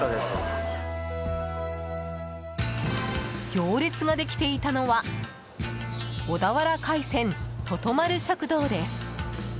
行列ができていたのは小田原海鮮とと丸食堂です。